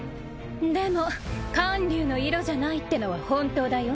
でも観柳のイロじゃないってのは本当だよ。